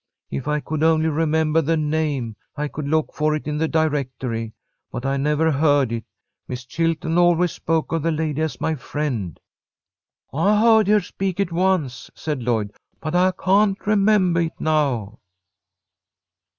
If I could only remember the name, I could look for it in the directory, but I never heard it. Miss Chilton always spoke of the lady as 'my friend.'" "I heard her speak it once," said Lloyd, "but I can't remembah it now."